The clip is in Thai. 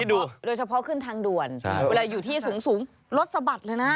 โดยเฉพาะขึ้นทางด่วนเวลาอยู่ที่สูงรถสะบัดเลยนะ